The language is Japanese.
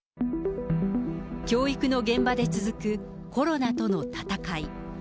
教育の現場で続くコロナとの闘い。